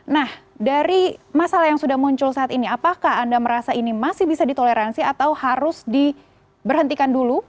nah dari masalah yang sudah muncul saat ini apakah anda merasa ini masih bisa ditoleransi atau harus diberhentikan dulu